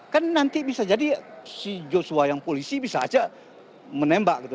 kan nanti bisa jadi si joshua yang polisi bisa aja menembak gitu